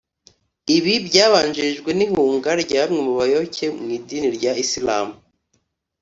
Ibi byabanjirijwe n’ihunga rya bamwe mu bayoboke mu idini rya Islam